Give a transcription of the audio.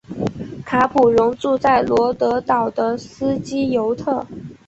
卡普荣住在罗德岛的斯基尤特。